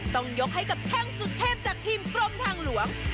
ต้องยกให้กับแข้งสุดเทพจากทีมกรมทางหลวง